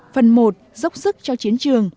phần một dốc sức cho chiến trường